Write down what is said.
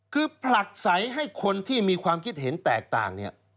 คือผลักใสให้คนที่มีความคิดเห็นแตกต่างเนี่ย